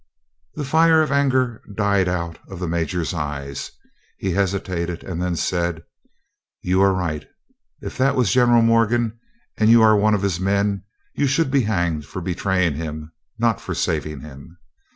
The fire of anger died out of the major's eyes. He hesitated, and then said: "You are right. If that was General Morgan, and you are one of his men, you should be hanged for betraying him, not for saving him."